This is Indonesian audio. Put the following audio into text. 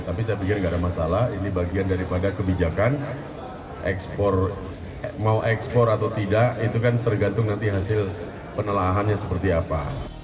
tapi saya pikir nggak ada masalah ini bagian daripada kebijakan ekspor mau ekspor atau tidak itu kan tergantung nanti hasil penelahannya seperti apa